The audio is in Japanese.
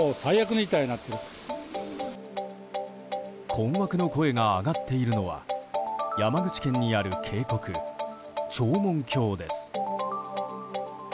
困惑の声が上がっているのは山口県にある渓谷・長門峡です。